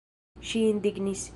Ŝi indignis.